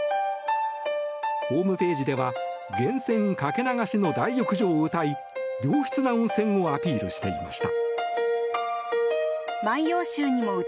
ホームページでは源泉かけ流しの大浴場をうたい良質な温泉をアピールしていました。